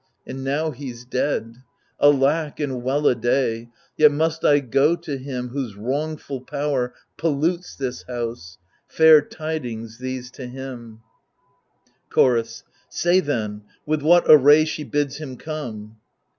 And now he's dead — ^alack and well a day 1 Yet must I go to him whose wrongful power Pollutes this house — fair tidings these to him 1 Chorus Say then, with what array she bids him come